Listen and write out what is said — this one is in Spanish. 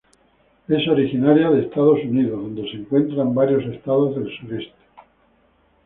Es originaria de Estados Unidos donde se encuentra en varios estados del sureste.